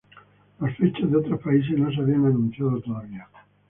Las fechas de otros países no se habían anunciado todavía.